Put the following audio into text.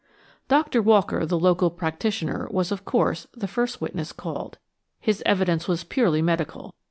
Dr. Walker, the local practitioner, was, of course, the first witness called. His evidence was purely medical.